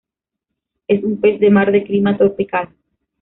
Es un pez de mar de clima tropical.